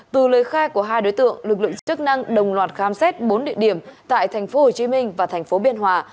từ lời khai của hai đối tượng lực lượng chức năng đồng loạt khám xét bốn địa điểm tại tp hồ chí minh và tp biên hòa